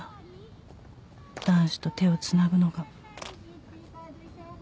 「男子と手をつなぐのが」